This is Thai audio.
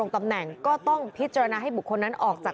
พตรพูดถึงเรื่องนี้ยังไงลองฟังกันหน่อยค่ะ